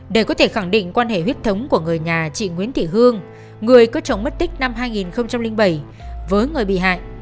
để có thể khẳng định quan hệ huyết thống của người nhà chị nguyễn thị hương người có chồng mất tích năm hai nghìn bảy với người bị hại